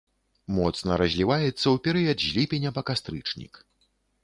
Моцна разліваецца ў перыяд з ліпеня па кастрычнік.